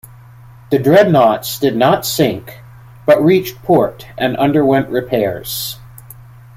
The dreadnoughts did not sink, but reached port and underwent repairs.